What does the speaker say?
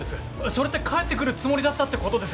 それって帰って来るつもりだったってことですよね？